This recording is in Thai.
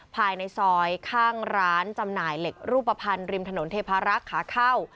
ภายในซอยข้างร้านจำหน่ายเหล็กรูปภัณฑ์ริมถนนเทพารักษ์ขาเข้า